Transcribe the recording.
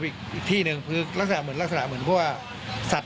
เพราะที่ยังมีกระโหลกศีรษะด้วยซึ่งมันเหมือนกับกระโหลกศีรษะด้วย